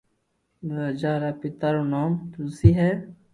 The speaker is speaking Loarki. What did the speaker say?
راجا رآ پيتا رو نوم تلسي ھي